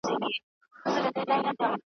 د ژوندیو له نړۍ څخه بېلېږم ,